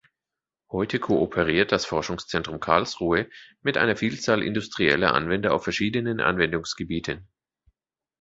Heute kooperiert das Forschungszentrum Karlsruhe mit einer Vielzahl industrieller Anwender auf verschiedenen Anwendungsgebieten.